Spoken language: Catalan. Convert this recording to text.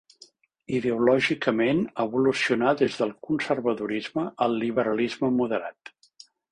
Ideològicament, evolucionà des del conservadorisme al liberalisme moderat.